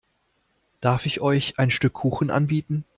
Darf ich euch ein Stück Kuchen anbieten?